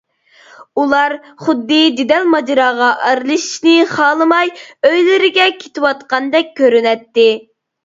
ئۇلار خۇددى جېدەل-ماجىراغا ئارىلىشىشنى خالىماي ئۆيلىرىگە كېتىۋاتقاندەك كۆرۈنەتتى.